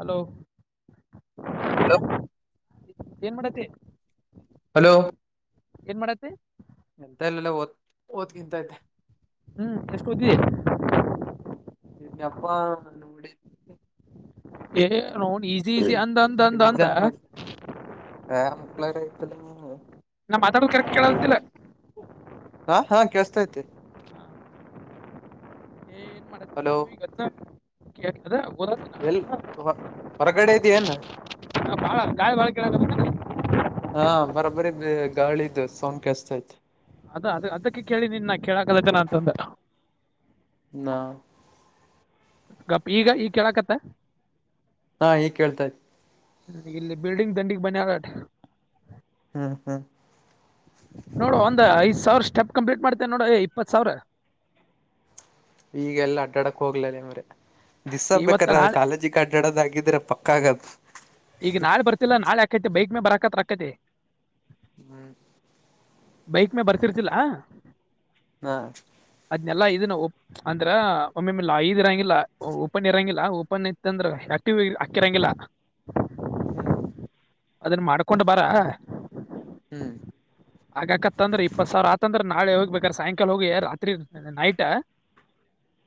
Hello ಹ ಏನ್ ಮಾಡಕತ್ತಿ ಹಲೋ ಏನ್ ಮಾಡತಿ ಎಂತ ಇಲ್ಲಲ್ಲ ಓದ ಓದ್ಕಿಂತ ಐತೆ ಹ್ಮ್ ಎಷ್ಟೊ ಎಪ್ಪಾ ಏ ನೋ ಈಸಿ ಈಸಿ ಅಂದ ಅಂದ ಅಂದ ಅಂದ ಹ ಮುಕ್ಕಳರಐತಲ್ಲ [unintelligible] ನಮ್ಮ ಮಾತಾಡದು ಕರೆಕ್ಟ್ ಕೇಳತ್ತಿಲ್ಲ ಹಾ ಹಾ ಕೇಳಸ್ತೈತೆ ಹಲೋ ಕೇದ ಎಲ್ ಹೊರಗಡೆ ಇದೆಯೇನ್ [unintelligible] ಗಾಳಿ ಬಾಳ ಕೇಳಾಕತ್ತಾದ ಹಾ ಬರೋಬರಿ ಗಾಳಿ ಇದು ಸೌಂಡ್ ಕೇಳ್ಸ್ತಾ ಆಯ್ತ್ ಅದ ಅದ ಅದಕ್ಕೆ ಕೇಳಿ ನಿನ್ನ ಕೇಳಕಲ್ಲ ಜನ ಅಂತಂದ ನ ಗಪ್ ಈಗ ಈ ಕೇಳಕತ್ತ ಹಾ ಈಗ್ ಕೇಳ್ತಾಯ ಇಲ್ಲಿ ಬಿಲ್ಡಿಂಗ್ ದಂಡಿಗ್ ಮನ ಆದ ಹ್ಮ್ ಹ್ಮ್ ನೋಡ ಒಂದ್ ಐದ್ ಸಾವಿರ ಸ್ಟೆಪ್ ಕಂಪ್ಲೀಟ್ ಮಾಡ್ತೇನೆ ನೋಡು ಇಪ್ಪತ್ ಸಾವಿರ ಈಗೆಲ್ಲಾ ಅಡ್ಡಾಡಕ್ ಹೋಗ್ಲ ಮ್ರೆ ಇವತ್ತ ದಿಸ್ಬೇಕಾರ ನಾಳೆ ಕಾಲೇಜಕ್ ಅಡ್ಡ ಎಡದ್ ಆಗಿದ್ರೆ ಪಕ್ಕಾಗದ ಈಗ ನಾಳೆ ಬರ್ತಿಲ್ಲಾ ನಾಳೆ ಯಾಕೈತಿ ಬೈಕ್ ಮೇ ಬರಾಕತ್ ಅಕತಿ ಹ್ಮ ಬೈಕ್ ಮೇ ಬರ್ತಿರ್ತಿಲ್ಲ ಹಾ ಎಲ್ಲ ಇದನ್ನ ಅಂದ್ರ ಒಮ್ಮೆಲ್ಲ ಐದು ಇರಂಗಿಲ್ಲ ಓಪನ್ ಇರಂಗಿಲ್ಲ ಓಪನ್ ಇತ್ತ ಅಂದ್ರೆ ಯ ಅಕ್ಕಿರಂಗಿಲ್ಲ ಹ್ಮ್ ಅದನ್ನ ಮಾಡ್ಕೊಂಡ ಬರ ಹ್ಮ್ ಆಗಕತ್ತಂದ್ರ ಇಪ್ಪತ್ ಸಾವಿರ ಆತಂದ್ರೆ ನಾಳೆ ಹೋಗ್ಬೇಕ್ರ ಸಾಯಂಕಾಲ ಹೋಗಿ ರಾತ್ರಿ ನೈಟ್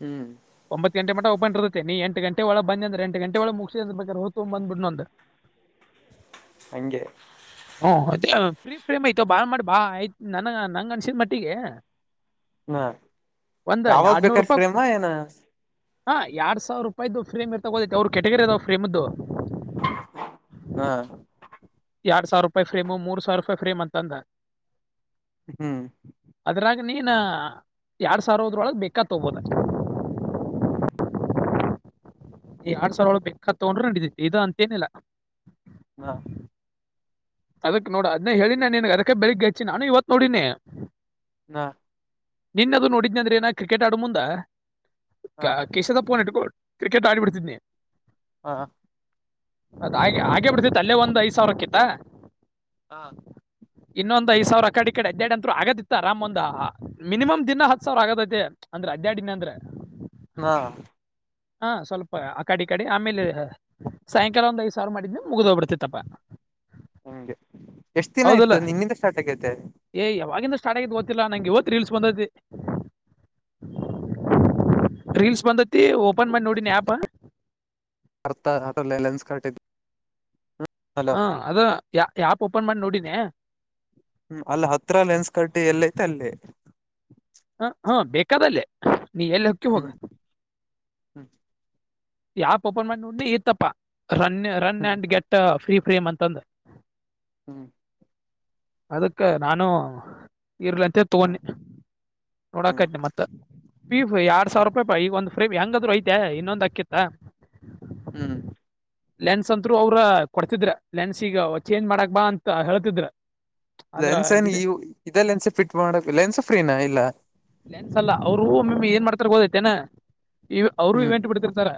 ಹ್ಮ್ ಒಂಬತ್ತು ಗಂಟೆ ಮಟ ಬಿರತ್ತೆ ನೀ ಎಟು ಗಂಟೆ ಒಳ ಬಂದಿ ಅಂದ್ರ ಎಟು ಗಂಟೆ ಒಳ ಮುಗಿಸಿ ಅಂದ್ರ ಬೇಕ್ರ ಹ ತಂಬ್ ಬಂದಬ ಬಿಡ್ ಹಂಗೆ ಪ್ರೀ ಫ್ರೇಮ್ ಆಯ್ತ ಬಾಳ ಮಾಡಿ ಬಾ ಆಯತ್ ನನ ನಂಗ ಅನ್ಸಿದ್ ಮಟ್ಟಿಗೆ ಹಾ ಒಂದ್ ಯಾವಾಗ ಎರಡ್ನೂರ್ ಬೇಕಾದ ರೂಪಾಯಿ ಪ್ರೇಮ ಏನ ಹಾ ಎರಡ್ ಸಾವಿರ ರೂಪಾಯ್ದ ಫ್ರೇಮ್ರ್ ತಗೋತೆ ಅವ್ರರು ಕೆಟಗರಿ ಅದಾವ ಪ್ರೇಮದ್ದು ಹಾ ಎರಡ್ ಸಾವಿರ ರೂಪಾಯಿ ಫ್ರೇಮ ಮೂರು ಸಾವಿರ ರೂಪಾಯಿ ಫ್ರೇಮ್ ಅಂದ ಹ್ಮ್ ಅದ್ರಾಗ ನೀನ್ ಎರಡು ಸಾವಿರ ಹದ್ರೊಳಗೆ ಬೇಕಾತ್ ತೋಗಬೋದ ಹ್ಮ್ ಈ ಎರಡ್ ಸಾವಿರ ಒಳಗ ಬೇಕತ್ತಗೊಂಡ್ರರು ನಡಿದತಿ ಇದು ಅಂತೇನಿಲ್ಲ ಹಾ [unintelligible] ಅದಕ್ ನೋಡ ಅದನ್ನೇ ಹೇಳಿನ್ ನಾನ್ ನಿನ್ಗ್ ಅದಕ್ಕೆ ಬೆಳಿಗ್ಗೆ ಹೆಚ್ಚಿ ನಾನು ಇವತ್ ನೋಡಿನಿ. ಹ [unintelligible] ನಿನ್ನದು ನೋಡಿದ್ನ ಅಂದ್ರೆ ನ ಕ್ರಿಕೆಟ್ ಆಡ ಮುಂದ. ಹಾ [unintelligible] ಕ್ರಿಕೆಟ್ ಆಡಿಬಿಡ್ತಿದ್ನಿ. ಹಾ [unintelligible] ಅದ ಹಾಗೆ ಹಾಗೆ ಬಿಡ್ತತ್ತು ಅಲ್ಲೇ ಒಂದ್ ಐದ್ ಸಾವಿರಕ್ಕಿತ್ತ. ಹಾ ಇನ್ನೊಂದ್ ಐದ್ ಸಾವಿರ ಆ ಕಡೆ ಈ ಕಡೆ ಅದ್ದೆಡ್ [unintelligible] ಅಂತರು ಆಗದಿತ್ತ ರಾಮ್ ಒಂದ ಮಿನಿಮ್ ದಿನಾ ಹತ್ ಸಾವಿರ ಆಗದೈತೆ. ಅಂದ್ರ ಅದ್ಯಾಡಿನ ಅಂದ್ರ [unintelligible] ಹಾ [unintelligible] ಹಾ ಸ್ವಲ್ಪ ಆ ಕಡಿ ಈ ಕಡೆ ಆಮೇಲೆ ಸಾಯಂಕಾಲ ಒಂದ್ ಐದ್ ಸಾವಿರ ಮಾಡಿದ್ನ [unintelligible] ಮುಗ್ದ ಹೋಗ್ಬಿಡ್ತಿತ್ತಪ್ಪ. [unintelligible] ಎಷ್ಟ್ ದಿನ ಆಯ್ತು ನಿನ್ನಿಂದ ಸ್ಟಾರ್ಟ್ ಆಗೈತೆ. ಏ [unintelligible] ಗೊತ್ತಿಲ್ಲ ನಂಗೆ ಇವತ್ ರೀಲ್ಸ್ ಬಂದೈತಿ. ರೀಲ್ಸ್ ಬಂದತಿ ಓಪನ್ ಮಾಡಿ ನೋಡಿನ ಆಪ್. ಅರ್ತ [unintelligible] ಹಲೆನ್ಸ್ ಕಟ್ ಆಯ್ತ್. ಹಾ ಅದ ಯ [unintelligible] ಆಪ್ ಓಪನ್ ಮಾಡಿ ನೋಡಿನಿ. ಹ್ಮ್ ಅಲ್ಲ ಹತ್ರ ಲೆನ್ಸ್ [unintelligible] ಎಲ್ಲ ಐತೆ ಅಲ್ಲಿ. ಹ ಹಾ [unintelligible] ಬೇಕಾದಲ್ಲೇ ನೀ ಎಲ್ಲಿ ಹಕ್ಕಿ ಹೋಗ. ಹ್ಮ್ ಹ್ಮ್ ಯಾಪ್ ಓಪನ್ ಮೈಂಡ್ [unintelligible] ಇತ್ತಪ್ಪ run run hmm and get free [unintelligible] ಅಂತಂದ ಹ್ಮ್ ಅದಕ್ಕೆ ನಾನು ಇರ್ಲಂತ ತಗೊಂಡೆ. ಹ್ಮ್ ನೋಡಾಕೈನ ಮತ್ತ [unintelligible] ಎರ್ಡ್ ಸಾವರ ಹ್ಮ್ ರೂಪಾಯ [unintelligible] ಈಗ ಒಂದ ಫ್ರೀ ಹೆಂಗಾದ್ರು ಐತೆ ಇನ್ನೊಂದು [unintelligible] ಆಕ್ಕಿ ಹಾ ಹ್ಮ್ ಲೆನ್ಸ್ ಅಂತರು ಅವ್ರ ಕೊಡ್ತಿದ್ರ ಲೆನ್ಸ್ ಈಗ ಚೇಂಜ್ ಮಾಡಕ್ ಬಾ ಅಂತ ಹೇಳ್ತಿದ್ರ. ಅಂದ್ರ ಲೆನ್ಸ್ ಏನ ಇದು [unintelligible] ಇದೇ ಲೆನ್ಸ್ ಫಿಟ್ ಮಾಡಕ್ ಲೆನ್ಸ್ ಫ್ರೀನಾ ಇಲ್ಲ. ಲೆನ್ಸ್ ಅಲ್ಲ ಅವರು ಮ ಏನ್ ಮಾಡ್ತಾರ ಹೋದೈತೆೇನೆ [unintelligible] ಇ ಅವರು ಹ್ಮ್ ಇವೆಂಟ್ ಬಿಡ್ತಿರ್ತಾರ.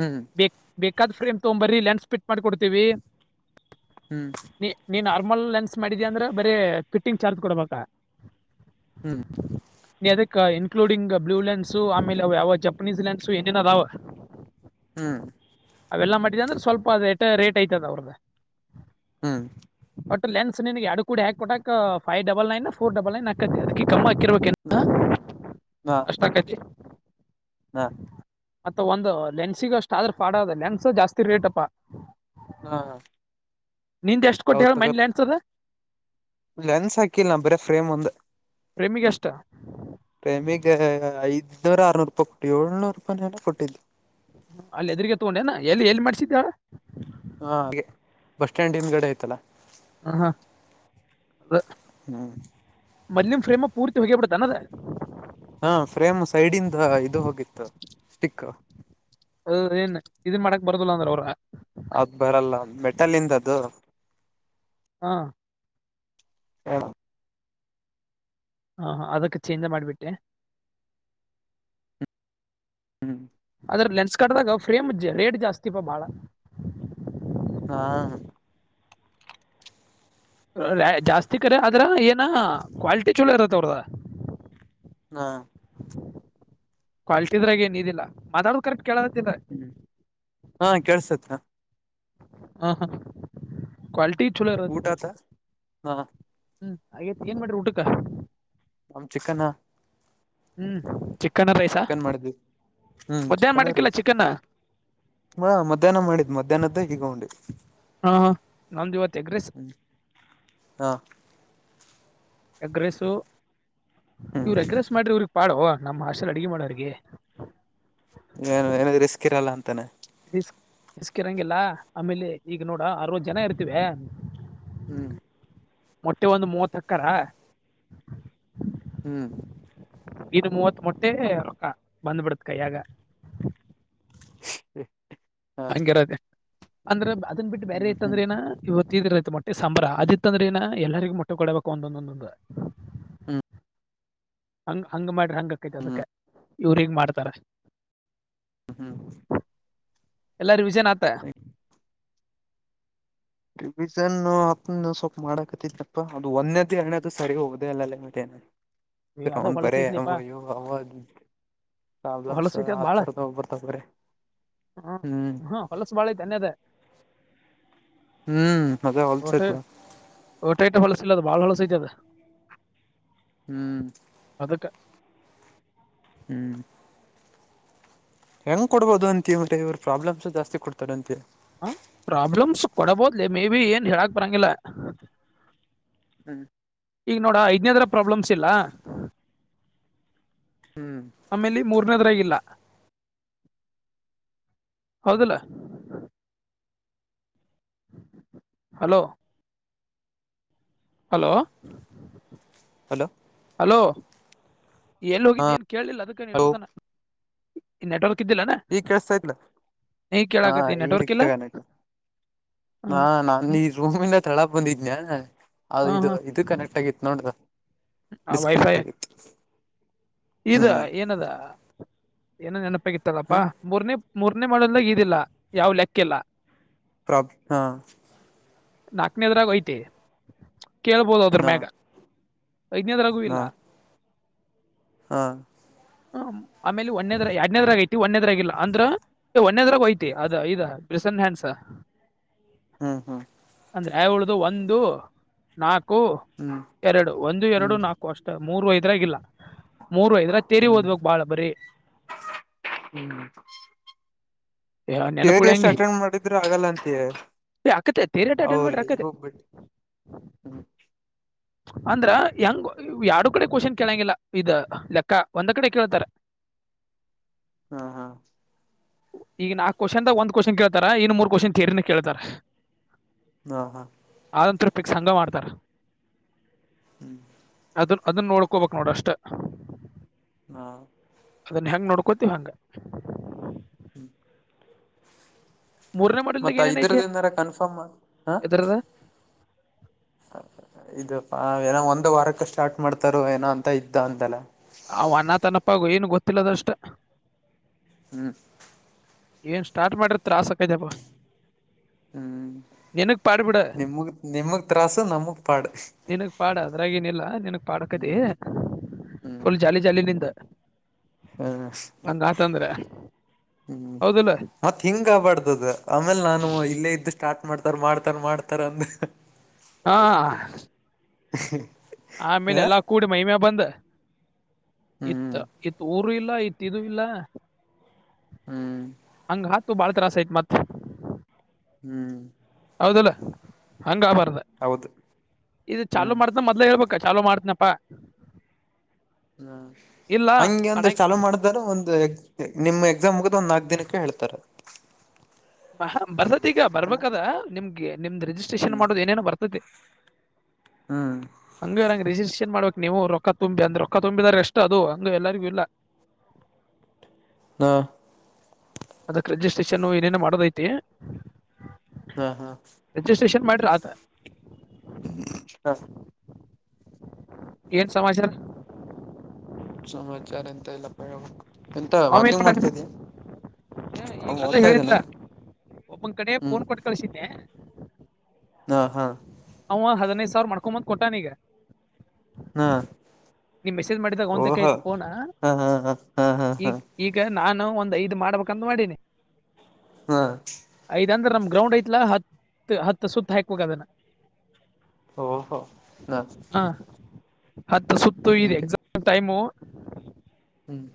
ಹ್ಮ್ ಬೇಕಾದ ಫ್ರೇಮ್ ತಗೊಂಬರ್ರಿ ಲೆನ್ಸ್ [unintelligible] ಮಾಡಿಕೊಡ್ತೀವಿ ಹ್ಮ್ ನೀ ನೀನ್ [unintelligible] [unintelligible] ಲೆನ್ಸ್ ಮಾಡಿದ್ಯಾ ಅಂದ್ರೆ ಬರೀ ಫಿಟ್ಟಿಂಗ್ ಚಾರ್ಜ್ ಕೊಡ್ಬೇಕಾ. ಹ್ಮ್ [unintelligible] ಅದಕ್ಕೆ ಇನ್ಕ್ಲೂಡಿಂಗ್ ಬ್ಲೂ ಲೆನ್ಸು ಆಮೇಲೆ ಯಾವ ಜಪನೀಸ್ ಲ್ಲೆನ್ಸು [unintelligible] ಹ್ಮ್ ಅವೆಲ್ಲ ಮಾಡಿದ್ ಅಂದ್ರೆ ಸ್ವಲ್ಪೇ ರೇಟ್ [unintelligible] ಐತದ ಅವ್ರದು ಹ್ಮ್ ಒಟ್ಟು ಲೆನ್ಸ್ ನಿನ್ಗೆ ಎರಡು ಕೂಡಿ ಹಾಕ್ ಕೊಟ್ಟಕ್ ಫೈವ್ ಡಬಲ್ ನೈನ್. ಫೋರ್ ಡಬಲ್ಲ ನೈನ್ [unintelligible] ಅದಕ್ಕೆ ಹಾ [unintelligible] [unintelligible] ಹಾ ಅಷ್ಟಕತಿ ಮತ್ತ ಒಂದು ಲೆನ್ಸಿಗ ಅಷ್ಟ ಆದ್ರ [unintelligible] ಫಾಡ್ ಅದ ಲೆನ್ಸ್ ಜಾಸ್ತಿ ರೇಟ್ಪ. ಹಾ ನಿಂದ ಎಷ್ಟು ಕೊಟ್ಟು ಹೌದ್ ಹೇಳ ತಗೋ ಮೈನ್ ಲೆನ್ಸ್ ಅದು. ಲೆನ್ಸ್ ಹಾಕಿಲ್ಲ ನಾ [unintelligible] ಬರೀ ಫ್ರೇಮ್ ಒಂದೆ. ಫ್ರೇಮಿಗ್ ಅಷ್ಟ [unintelligible] ಐದ್ನೂರ ಆರ್ನೂರು ರೂಪಾಯಿ ಕೊಟ್ಟು ಏಳ್ನೂರು ರೂಪಾಯಿನ [unintelligible] ಕೊಟ್ಟಿದ್ದ. ಅಲ್ಲಿ ಎದ್ರೆಗೆ ತಗೊಂಡೆನ ಎಲ್ಲಿ ಎಲ್ಲಿ ಮಾಡ್ಸಿದ್ ಹೇಳ. ಹಾ [unintelligible] ಬಸ್ ಸ್ಟ್ಯಾಂಡ ಹಿಂದ್ಗಡೆ ಆಯ್ತಲ್ಲ. ಹ ಹಾ [unintelligible] ಹ್ಮ್ ಮಲ್ಯ ಫ್ರೇಮ್ ಪೂರ್ತಿ [unintelligible] ತನ್ನದ [unintelligible] ಹಾ ಫ್ರೇಮ್ ಸೈಡಿಂದ ಇದು ಹೋಗಿತ್ತು ಸ್ಟಿಕ್. ಹೌದ ಏನ್ ಇದನ್ ಮಾಡಕ್ ಬರದಲ್ಲ ಅಂದ್ರ. [unintelligible] ಅದ ಬರಲ್ಲ ಮೆಟಲಿಂದ್ ಅದು. ಹಾ ಹಾ ಹಾ ಹ ಅದಕ್ಕೆ ಚೇಂಜ್ ಮಾಡಿಬಿಟ್ಟೆ ಹ್ಮ್ ಅದ್ರ ಲೆನ್ಸ್ ಕಟ್ಟ್ಗ ಫ್ರೇಮ್ ರೇಟ್ ಜಾಸ್ತಿಪಾ ಭಾಳ ಹಾ ಜಾಸ್ತಿ ಕರೆ ಆದ್ರ ಏನ ಕ್ವಲ್ಟಿ ಚಲೋ ಇರತ್ತ ಅವ್ರದ ಹಾ ಕ್ವಾಲಿಟಿ ಇದ್ರಾಗ ಏನಲ್ಲ ಮಾತಾಡದು ಕರೆಕ್ಟ್ ಕೇಳತ್ತಿಲ್ಲ ಹ್ಮ್ ಹಾ ಕೆಳ್ಸತ್ ಹ ಹಾ ಕ್ವಾಲಟಿ ಊಟತ ಹಾ ಹಾಗೈತ್ ಏನ್ ಮಾಡ್ರಿ ಊಟಕ ನಮ್ ಚಿಕನ್ನ ಹ್ಮ್ ಚ ಚಿಕನ್ ಮಾಡ್ದ ಹ್ಮ ಮಧ್ಯಾಹ್ನ ಚಿಕನ್ ರ ಮಾಡಿರ್ಕಿಲ್ಲ ಚಿಕನ್ ಹಾ ಮಧ್ಯಾಹ್ನ ಮಾಡಿದ್ ಮಧ್ಯಾಹ್ನದ್ದೇ ಹಗೊಂಡಿದ್ದ್ ಹ ನಮ್ದ ಇವತ್ತು ಎಗ್ ರೈಸ್ ಹಾ ಅಗ್ರೆಸ ಹ್ಮ್ ಇವ್ರ ಅಗ್ರೆಸ್ ಮಾಡ್ರಿ ಇವ್ರ ಪಾಡುವ ನಮ್ಮ್ ಹಷೆಲ್ ಅಡ್ಗೆ ಮಾಡೋರ್ಗೆ ಏ ಏನಾದ್ ರಿಸ್ಕ್ ಇರಲ್ಲ ಅಂತಾನೆ ರಿಸ್ ರಿಸ್ಕ್ ಇರಂಗಿಲ್ಲ ಆಮೇಲೆ ಈಗ ನೋಡ ಅರವತ್ತು ಜನ ಇರ್ತಿವೆ ಹ್ಮ್ ಮೊಟ್ಟೆ ಒಂದು ಮೂವತ್ತಕ್ಕರ ಹ್ಮ್ ಇನ್ ಮೂವತ್ ಮೊಟ್ಟೆ ರಕ್ಕ ಬಂದ್ಬಿಡತ್ ಕಯಯಾಗ ಹ್ಮ ಹಂಗಿರದ ಅಂದ್ರೆ ಅ ಬಿಟ್ಟ ಬರೆ ಹ್ಮ್ ಹ್ಮ್ ಇತ್ತಂದ್ರೆಏ ಇವತ್ತೀ ಇರೈತೆ ಮಟ್ಟೆಬರ ಹ್ಮ್ ಅತ್ತ ಅಂದ್ರ ಏನ ಎಲ್ಲರಿಗ ಮುಟ್ಟೆ ಕೊಡಬೇಕು ಒಂದೊಂದೊಂದೊಂದು ಹ್ಮ್ ಹಂಗ ಹಂಗ ಮಾಡ್ರಿ ಹಂಗಕೈತಿ ಹ್ಮ್ ಅದಕ್ಕೆ ಇವ್ರ ಹಂಗ ಮಾಡ್ತಾರೆ ಹ ಹ್ಮ ಎಲ್ಲಾರು ವಿಜನ್ ಆತ ರಿವಿಸನ್ ಹತ್ತ ಸ್ವಲ್ಪ ಮಾಡಕತ್ತತ್ತಪ್ಪ ಅದು ಒಂದೇದ ಹಣದು ಸರಿ ಹೋಗೋದೆೇ ಅಲ್ಲಲ್ಲ ಮನ ಏ, ಅದ ಮನ್ ಪರ ಹೊಲಸ್ ಅಬ ಐತ್ಲಿಪಾ ಯ ಅ ಪ್ರಾಬ್ಲಮ್ಸ್ ಆಥರದಗಬರ್ತ ಬ್ರೆ ಹ್ಮ ಹ್ಮ ಹೊಲಸ ಬಾಳ ಐತನ್ನಯದ ಹ್ಮ್ ಅದೇ ಹೊಟೆ ಹೊಲ್ಸತ್ವಾ ಟೆ ಇಟ ಹೊಳ್ಸಿಲ್ಲದು ಬಾಳ ಹೊಳ್ಸತದ ಹ್ಮ್ ಹ್ಮ್ ಹೆಂಗ್ ಕೊಡ್ಬದು ಅಂತಿ ಮತ್ತೆ ಇವ್ರ ಪ್ರಾಬ್ಲಮ್ಸ್ ಜಾಸ್ತಿ ಕೊಡ್ತಾರೆ ಅಂತಿ ಹ ಪ್ರಾಬ್ಲಮ್ಸ್ ಕೊಡಬೋದ್ಲೆ ಮೇ ಬಿ ಏನ್ ಹೇಳಾಕ್ ಬರಂಗಿಲ್ಲ ಹ್ಮ್ ಈಗ ನೋಡ ಐದ್ನೇದ್ರ ಪ್ರಾಬ್ಲಮ್ಸ್ ಇಲ್ಲ ಹ್ಮ್ ಆಮೇಲೆ ಮೂರನೇದರಗ ಹೌದಲ್ಲ ಹಲೋ ಹಲೋ ಹಲೋ ಹಲೋ ಎಲ್ಲಿ ಹಾ ಹೋಗಿದ್ದೆ ಏನು ಕೇಳಲಿಲ್ಲ ಅದಕ್ಕೆ ನೆಟ್ವತನ ನೆಟ್ವರ್ಕ್ ಇದ್ದಿಲ್ಲನ ಈಗ್ ಕೇಸ್ತಾಯತ್ಲ ನೀ ಹಾ ಕೇಳಾಕತ್ತಿ ಈಗ ನೆಟ್ವರ್ಕ್ ಸಿಕ್ತಗನ್ಯ್ತ ಹಾ ನಾ ಇಲ್ಲ ಈ ರೂಮಿಂದ ತೆಳಾಕ್ ಬಂದಿದನಯ ಅದು ಇದು ಇದು ಕನೆಕ್ಟ್ ಆಗಿತ್ತು ನೋಡ್ರ ಹ ವೈಫೈ ಇದ ಹ್ಮ್ ಏನದ ಏನೋ ಹ ನೆನಪಾಗಿತ್ತದಪ್ಪಾ ಮೂರ್ನೇ ಮೂರನೇ ಮಾಡಲ್ಗ ಇದಿಲ್ಲಾ ಯಾವ್ ಲೆಕ್ಕ ಇಲ್ಲ ಪ್ರಬ್ ಹಾ ನಾಕ್ ಗನೆದ್ರಾಗಐತೆ ಕೇಳ್ಬೋದುದ್ರ ನಾ ಮ್ಯಾಗ ಐದನೇದ್ರಗೂ ಇಲ್ಲ ನಾ ಹಾ ಹ ಆಮೇಲೆ ಒಂದೇದ್ರ ಎಡ್ನದರಾಗ ಐತಿ ಒಂದೇದ್ರಲ್ಲ ಅಂದ್ರ ಒಂದೇದ್ರಾಗ ಯಐತಿ ಅದ ಇದ ಸನ್ಹನ್ಸ [inaudible] ಹ್ಮ ಹಾ ಳ್ದು ಒಂದು ನಾಕು ಕು ಹ್ಮ್ ಎರಡು ಒಂದು ಎರಡು ಹ್ಮ್ ನಾಲ್ಕು ಅಷ್ಟೇ ಮೂರು ಐದರಾಗಿಲ್ಲ ಮೂರ್ ಐದ್ರ ತೇರಿ ಹ್ಮ್ ಓದ್ಬೇಕಕ್ ಬಾಳ ಬರೀ ಕರಿ ಎಷ್ಟು ನೆನಪುಳಂಗಿ ಅಟೆಂಡ್ ಮಾಡಿದ್ರರು ಆಗಲ್ಲ ಅಂತ ಅಕ್ಕತೆ ತೇರಿ ಅಟೆಂಡ್ ಹೌಲ್ಲ ಮಾಡ್ರಿ ಈಗ ಅಕ್ಕತೆ ಹೋಗ್ಬಿಟ್ಟು ಹ್ಮ್ ಅಂದ್ರ ಹೆಂಗ ಯರಡು ಕಡೆ ಕ್ವಶನ್ ಕೇಳಂಗಿಲ್ಲ ಇದ ಲೆಕ್ಕ ಒಂದ ಕಡೆ ಕೇಳ್ತಾರ [unintelligible] ಹಾ ಹಾ ಈಗ ನಾಲ್ಕ್ ಕ್ವಶ್ನ್ದಾಗ ಒಂದ್ವಶ್ನ್ತಾರ ಇನ್ ಮೂರಕ್ವೆಶ್ಚನ್ ಥಿಯರಿ ಕೇಳ್ತಾರೆ ಹಾ ಹಾ ಫಿಕ್ಸ್ ಸಂಘ ಮಾಡ್ತಾರ ಹ್ಮ್ [inaudible] ಅದ ಅದನ್ನ ನೋಡ್ಕೋಬೇಕ ನೋಡ ಅಷ್ಟ ಹಾ ಅದನ್ನ ಹೆಂಗ ನೋಡ್ ಕೊತ್ತಹಂಗ ಹ್ಮ್ [inaudible] ಮೂರನೇ ಮಾಡಲ್ದಾಗ ಮತ್ತ ದಿಂದ್ರ ಏನೇನೈತಿ ದಿಂದಾರ ಕನ್ಫರ್ಮ್ ಹ ಎದ್ರದ ಇದಪ್ಪಾ ಏನೋ ಒಂದ್ ವಾರಕ್ಕ ಸ್ಟಾರ್ಟ್ ಮಾಡ್ತಾರ ಏನೋ ಅಂತ ಇದ್ದ ಅಂತೆಲ್ಲ ಅವ ಅನಾ ತನಪ್ಪಾಗ ಏನು ಗೊತ್ತಿಲ್ಲದಷ್ಟ ಹ್ಮ್ ಏನ್ ಸ್ಟಾರ್ಟ್ ಮಾಡ್ರ ತಾಸಕೈತಪ್ಪ ಹ್ಮ್ ನಿನಗ್ ಪಾಡ್ಬಿಡ ನಿಮಗ್ ನಿಮಗ್ ತ್ರಾಸು ನಮಗ್ ಪಾಡು ನಿನಗ್ ಪಾಡ ಅದ್ರಾಗೇನಿಲ್ಲ [inaudible] ನನಗ್ ಪಾಡಕದ ಹ್ಮ್ ಫುಲ್ ಜಾಲಿ ಜಾಲ ನಿಂದ್ ಹ್ಮ ಹ್ಮ್ ಹೌದಲ್ಲ ಮತ್ತತ್ ಹಿಂಗ ಆಗ್ಬಾರ್ದದ ಆಮೇಲೆ ನಾನು ಇಲ್ಲೇ ಇದ್ದು ಸ್ಟಾರ್ಟ್ ಮಾಡ್ತಾರ್ ಮಾಡ್ತಾರ ಮಾಡ್ತಾರ ಅಂದ ಹಾ ಹ್ಮ ಆಮೇಲೆ ಎಲ್ಲಾ ಕೂಡಿ ಮಹಿಮೆ ಬಂದ್ ಇತ್ ಹ್ಮ್ ಇತ್ ಊರು ಇಲ್ಲ ಇತ್ ಇದು ಇಲ್ಲ ಹ್ಮ್ ಹಂಗ ಹಾ ತು ಭಾಳತಾಸಹತ್ ಮತ್ ಹ್ಮ್ ಹೌದಲ್ಲ ಹಂಗ ಆಬಾರ್ದ ಹೌದು ಇದು ಚಾಲುೂ ಹ್ಮ್ ಮಾಡ್ತನ ಮೊದ್ಲೇ ಹೇಳ್ಬೇಕ ಚಾಲು ಮಾಡ್ತನಪ್ಪ ಹ್ಮ್ ಹಂಗೆ ಒಂದಷ್ಟು ಮಾಡಂಗ್ ಹಲವ ಮಾಡ್ತಾರ ಒಂದು ನಿಮ್ಮ್ ಎಕ್ಸಾಮ್ ಮುಗದ ಒಂದ್ ನಾಲ್ಕ ದಿನಕ್ಕೆ ಹೇಳ್ತಾರ ಬರ್ತತಿ ಈಗ ಬರ್ಬೇಕದ ನಿಮ್ಗೆ ನಿಮ್ದ್ ರಿಜಿಸ್ಟ್ರೇಷನ್ ಮಾಡೋ ಏನೇನೋ ಬರ್ತತಿ ಹ್ಮ್ ಹಂಗ ರರಿಜಿಸ್ಟ್ರೇಷನ್ ಮಾಡ ನೀವು ರೊಕ್ಕ ತುಂಬಿ ಅಂದ ರೊಕ್ಕ ತುಂಬಿದ್ರ ಎಷ್ಟು ಅದು ಅಂಗ ಎಲ್ಲರಿಗೂ ಇಲ್ಲ ನ ಅದಕ್ಕೆ ರಿಜಿಸ್ಟ್ರೇಷನ್ ಏನೇನು ಮಾಡೋದೈತಿ ಹಾ ಹಾ ಸ್ಟೇಷನ್ ಮಾಡ್ರ ಆತ ಹಾ ಏನ್ ಸಮಾಚಾರ ಸಮಾಚಾರ ಎಂತ ಇಲ್ಲಪ್ಪ ಹಬೇಕು ಎಂತ ವಾಕಿಂಗ್ ಮಾಡ್ತಾಿದ್ದಿ ಹ ಈಗ ಅದು ಹೇಳಿದ್ಲ ಒಬ್ಬೊನ ಕಡೆ ಹ್ಮ್ ಫೋನ್ ಕೊಟ್ಟ ಕಳಸಿದ್ದೆ ಹಾ ಹಾ ನ ಹದಿನೈದು ಸಾವಿರ ಮಾಡ್ಕೊಂಬಂದ ಕೊಟ್ಟಾನಗ ಹಾ ನೀ ಮೆಸೇಜ್ ಮಾಡಿದಾಗ ಓಹೋ ಒಂತಕ್ಕಯ್ತು ಫೋನಾ ಹಾ ಹಾ ಹಾ ಹಾ ಹಾ ಹಾ ಈಗ ಈಗ ನಾನು ಒಂದ್ ಐದು್ ಮಾಡ್ಬೇಕಂತ ಮಾಡೀನಿ ಹಾ ಇದಂದ್ರ ನಮ್ ಗ್ರೌಂಡ್ ಐತ್ಲಾ ಹತ್ ಹತ್ ಸುತ್ತ ಹಾಕ್ಬೇಕ ಅದನ ಓಹೋ ನಾ ಹತ್ತ ಸುತ್ತ ಇದೆ ಎಕ್ಸಾಕ್ಟ್ ಟೈಮು ಹ್ಮ್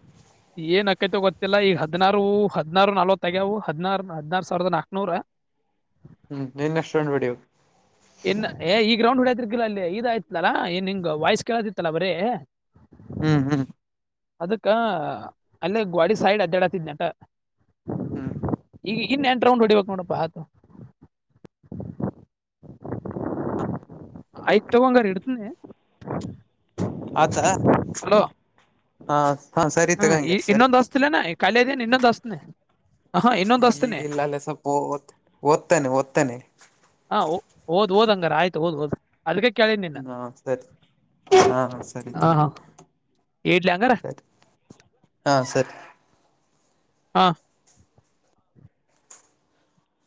ಏನ್ ಅಕೈತ ಗೊತ್ತಿಲ್ಲ ಈಗ ಹದ್ಾರು ಹದ್ನಾರು ನಾವ ತಗವು ಹದಿನಾರ ಹದನಾರ ಸಾವಿರದ ನಾಕ್ೂರ [inaudible] ಹ್ಮ್ ಇನ್ ಎಷ್ಟಂ ಬಿಡಿವು ಇನ್ ಏ ಈ ಗ್ರೌಂಡ್ ಹೊಡ್ಯತಿರ್ಗಿಲ್ಲಾ ಅಲ್ಲಿ ಇದ ಆಯ್ತ್ಲಲ್ಲಾ ಏನ್ ನಿಂಗ್ ವಾಯ್ಸ್ ಕೇಳತಿತ್ತಲಾ ಬರೀ ಹ್ಮ್ ಹ್ಮ್ ಅದಕ್ಕ ಅಲ್ಲೇ ಗಾಡಿ ಸೈಡ್ ಅಜಜಾಡತಿದ್ ನಟ ಹ್ಮ್ ಈಗ ಇನ್ ಎಂಟ ರೌಂಡ್ ಹೊಡಿಬೇಕಕ್ ನೋಡಪ್ಪಾ ಆಯತು ಆಯ್ತ ತಗಂಗಾರ ಎಡ್ತನ ಆತ ಹಲೋ ಹಾ ಹಾ ಸರಿ ಹ ತಗಂಗಾರ ಸರಿ ಇನ್ನೊಂದು ವಸ್ಲ್ಲ ನ ಖಾಲಿ ಇದ್ದನೆ ಇನ್ನೊಂದು ವಸ್ತನ ಈಗಿಲ್ಲ ಅಲ್ಲ ಸ್ವಲ್ಪ ಓ ಓದ್ತಾನನೆ ಓದ್ತಾನೆ ಹಾ ಹದ್ ಹದ ಹಂಗಾರ ಆಯತ ಹದ್ ಹೋದ್ ಹಾ ಸರಿ ಹಾ ಹಾ ಸರಿತಾ ಹಾ ಇಡ್ಲಿ ಹಂಗಾರ ಸರಿ ಹಾ ಸರಿ ಹಾ